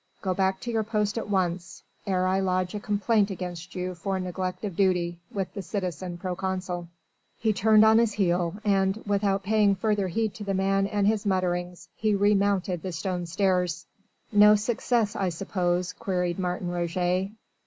"Go back to your post at once, ere I lodge a complaint against you for neglect of duty, with the citizen proconsul." He turned on his heel and, without paying further heed to the man and his mutterings, he remounted the stone stairs. "No success, I suppose?" queried Martin Roget.